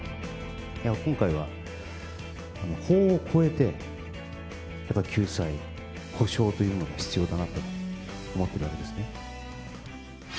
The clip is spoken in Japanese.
今回は法を超えてやっぱり救済・補償というものが必要だなと思ってるわけですね。